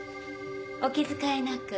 お気遣いなく。